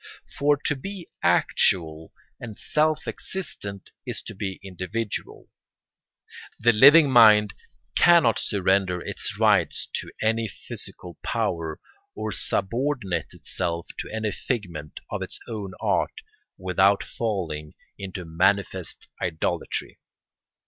For to be actual and self existent is to be individual. The living mind cannot surrender its rights to any physical power or subordinate itself to any figment of its own art without falling into manifest idolatry.